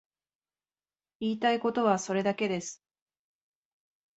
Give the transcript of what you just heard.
言いたいことはそれだけです。